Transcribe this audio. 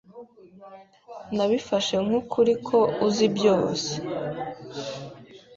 Nabifashe nk'ukuri ko uzi byose.